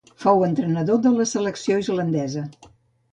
Fou entrenador de la selecció islandesa.